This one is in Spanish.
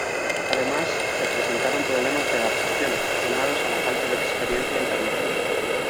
Además, se presentaron problemas de adaptación, sumados a la falta de experiencia internacional.